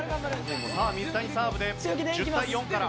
水谷サーブで１０対４から。